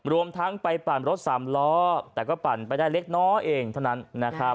รวมทั้งไปปั่นรถสามล้อแต่ก็ปั่นไปได้เล็กน้อยเองเท่านั้นนะครับ